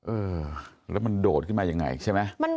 เออแล้วมันโดดขึ้นมายังไงใช่ไหม